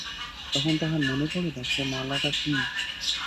তখন তাহার মনে পড়িল, সে মালাটা কী।